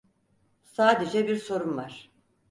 Sadece bir sorum var.